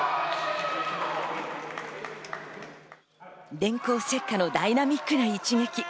電光石火のダイナミックな一撃。